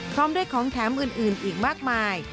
พร้อมด้วยของแถมอื่นอีกมากมาย